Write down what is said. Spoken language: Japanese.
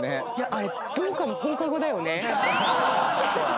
あれどこかの放課後だよね。